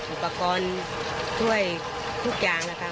อุปกรณ์ช่วยทุกอย่างนะคะ